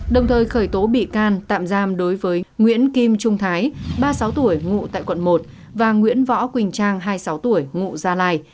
đồng thời khởi tố bị can tạm giam đối với nguyễn kim trung thái ba mươi sáu tuổi ngụ tại quận một và nguyễn võ quỳnh trang hai mươi sáu tuổi ngụ gia lai